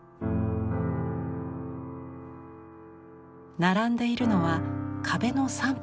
並んでいるのは壁のサンプル。